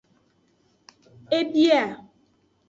E bia.